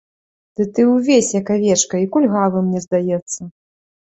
Ды ты ўвесь, як авечка, і кульгавы, мне здаецца.